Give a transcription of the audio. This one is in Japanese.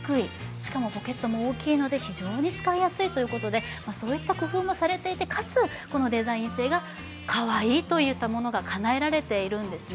しかもポケットも大きいので非常に使いやすいということでそういった工夫もされていてかつデザイン性がかわいいといったものがかなえられているんですね。